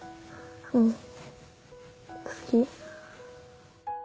うん好き。